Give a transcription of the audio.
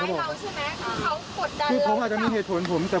มันมีเรื่องทรัพย์สินอะไรอ่ะเราเอาเข้าไปไหม